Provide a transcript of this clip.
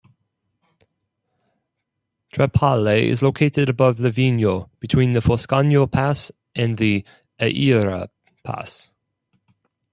Trepalle is located above Livigno between the Foscagno Pass and the Eira Pass.